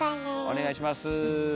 お願いします。